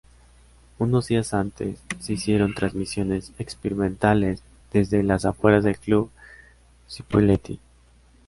Unos días antes, se hicieron transmisiones experimentales desde las afueras del club Cipolletti.